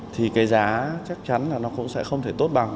thì cái giá chắc chắn là nó cũng sẽ không thể tốt bằng